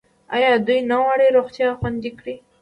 آیا دوی نه غواړي روغتیا خوندي کړي؟